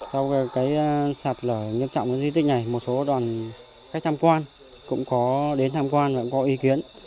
sau sạt lở nghiêm trọng cái di tích này một số đoàn khách tham quan cũng có đến tham quan và cũng có ý kiến